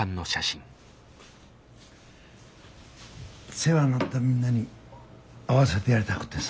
世話になったみんなに会わせてやりたくってさ。